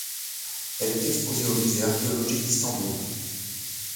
Elle est exposée au musée archéologique d'Istanbul.